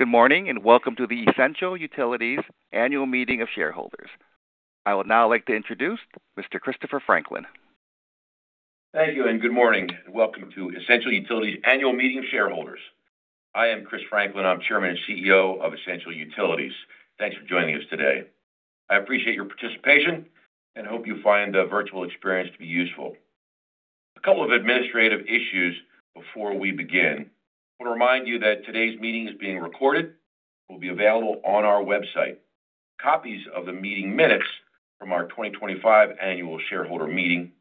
Good morning, welcome to the Essential Utilities annual meeting of shareholders. I would now like to introduce Mr. Christopher Franklin. Thank you and good morning. Welcome to Essential Utilities annual meeting of shareholders. I am Christopher Franklin. I'm Chairman and CEO of Essential Utilities. Thanks for joining us today. I appreciate your participation and hope you find the virtual experience to be useful. A couple of administrative issues before we begin. I wanna remind you that today's meeting is being recorded. It will be available on our website. Copies of the meeting minutes from our 2025 annual shareholder meeting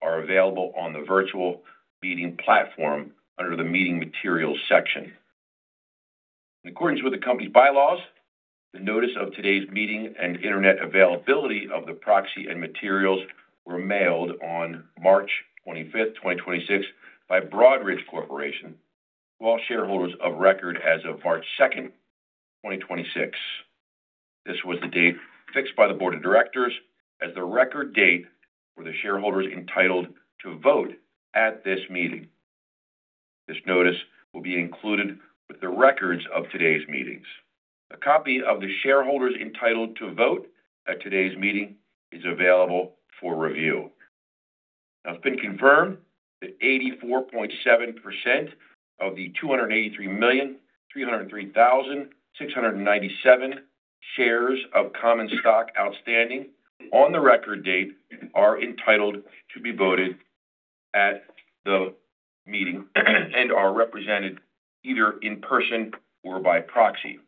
are available on the virtual meeting platform under the Meeting Materials section. In accordance with the company's bylaws, the notice of today's meeting and internet availability of the proxy and materials were mailed on March 25th, 2026 by Broadridge Corporation to all shareholders of record as of March 2nd, 2026. This was the date fixed by the board of directors as the record date for the shareholders entitled to vote at this meeting. This notice will be included with the records of today's meetings. A copy of the shareholders entitled to vote at today's meeting is available for review. Now, it's been confirmed that 84.7% of the 283,303,697 shares of common stock outstanding on the record date are entitled to be voted at the meeting and are represented either in person or by proxy.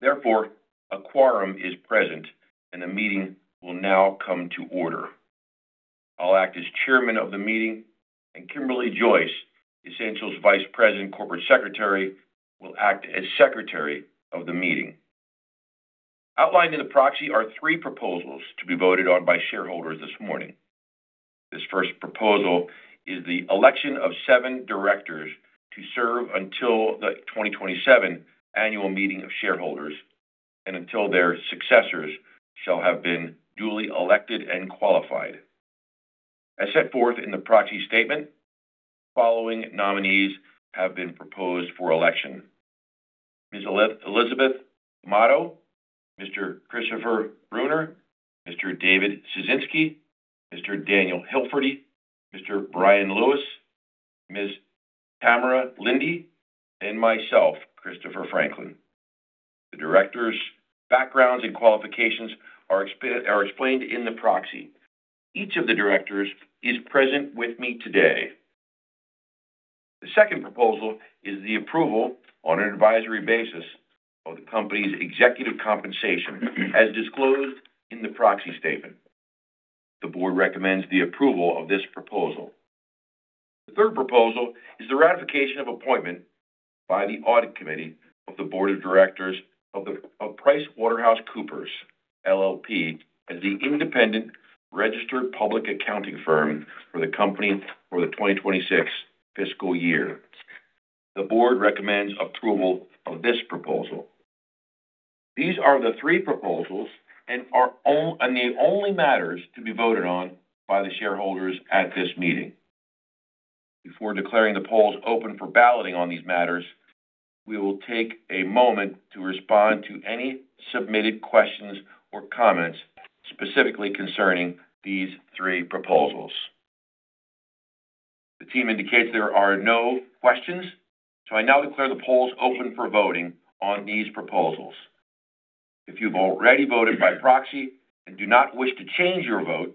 Therefore, a quorum is present, and the meeting will now come to order. I'll act as chairman of the meeting, and Kimberly Joyce, Essential's Vice President Corporate Secretary, will act as secretary of the meeting. Outlined in the proxy are three proposals to be voted on by shareholders this morning. This first proposal is the election of seven directors to serve until the 2027 annual meeting of shareholders and until their successors shall have been duly elected and qualified. As set forth in the proxy statement, following nominees have been proposed for election. Elizabeth B. Amato, Christopher L. Bruner, David A. Ciesinski, Daniel J. Hilferty, W. Bryan Lewis, Tamara Linde, and myself, Christopher H. Franklin. The directors' backgrounds and qualifications are explained in the proxy. Each of the directors is present with me today. The second proposal is the approval on an advisory basis of the company's executive compensation as disclosed in the proxy statement. The board recommends the approval of this proposal. The third proposal is the ratification of appointment by the audit committee of the board of directors of PricewaterhouseCoopers, LLP, as the independent registered public accounting firm for the company for the 2026 fiscal year. The Board recommends approval of this proposal. These are the three proposals and the only matters to be voted on by the shareholders at this meeting. Before declaring the polls open for balloting on these matters, we will take a moment to respond to any submitted questions or comments, specifically concerning these three proposals. The team indicates there are no questions. I now declare the polls open for voting on these proposals. If you've already voted by proxy and do not wish to change your vote,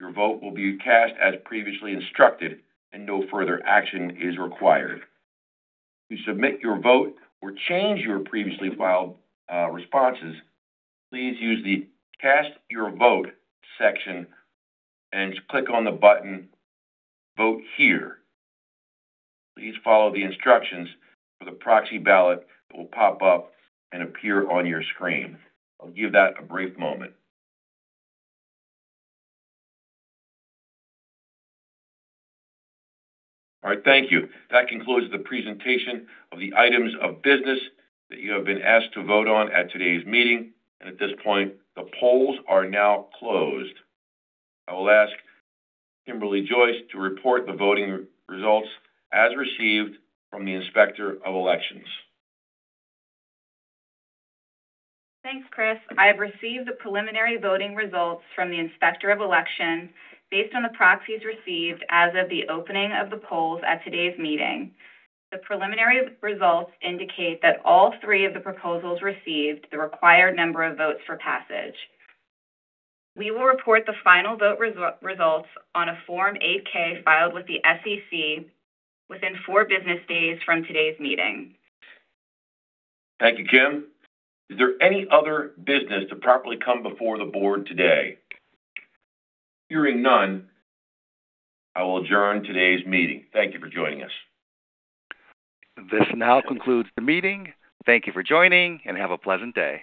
your vote will be cast as previously instructed and no further action is required. To submit your vote or change your previously filed responses, please use the Cast Your Vote section and click on the button, Vote Here. Please follow the instructions for the proxy ballot that will pop up and appear on your screen. I'll give that a brief moment. All right. Thank you. That concludes the presentation of the items of business that you have been asked to vote on at today's meeting. At this point, the polls are now closed. I will ask Kimberly Joyce to report the voting results as received from the Inspector of Elections. Thanks, Christopher. I have received the preliminary voting results from the Inspector of Elections based on the proxies received as of the opening of the polls at today's meeting. The preliminary results indicate that all three of the proposals received the required number of votes for passage. We will report the final vote results on a Form 8-K filed with the SEC within four business days from today's meeting. Thank you, Kimberly. Is there any other business to properly come before the board today? Hearing none, I will adjourn today's meeting. Thank you for joining us. This now concludes the meeting. Thank you for joining, and have a pleasant day.